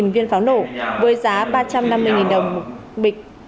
một mươi viên pháo nổ với giá ba trăm năm mươi đồng một bịch